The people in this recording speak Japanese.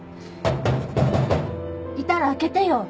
いたら開けてよ。